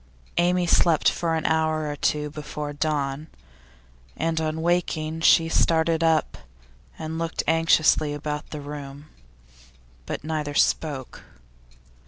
Amy slept for an hour or two before dawn, and on waking she started up and looked anxiously about the room. But neither spoke.